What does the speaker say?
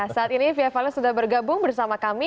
saat ini fia vales sudah bergabung bersama kami